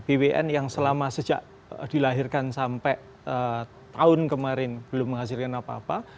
bwn yang selama sejak dilahirkan sampai tahun kemarin belum menghasilkan apa apa